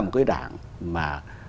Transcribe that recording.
một cái đảng mà